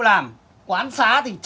tụt thấy cảm xúc